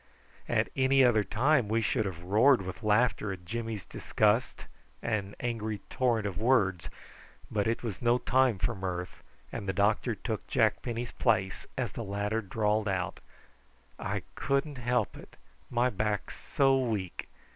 At any other time we should have roared with laughter at Jimmy's disgust and angry torrent of words, but it was no time for mirth, and the doctor took Jack Penny's place as the latter drawled out: "I couldn't help it; my back's so weak.